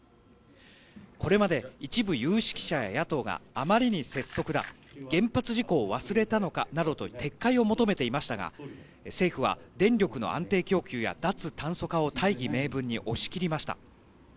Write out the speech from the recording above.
これまで一部有識者や野党があまりに拙速だ原発事故を忘れたのかなどと撤回を求めていましたが政府は電力の安定供給や脱炭素化を大義名分に押し切りました。